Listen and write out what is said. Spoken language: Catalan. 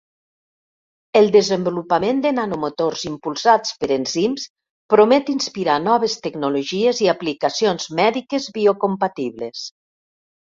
El desenvolupament de nanomotors impulsats per enzims promet inspirar noves tecnologies i aplicacions mèdiques biocompatibles.